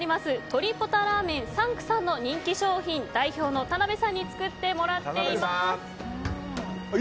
鶏ポタラーメンＴＨＡＮＫさんの人気商品、代表の田辺さんに作ってもらっています。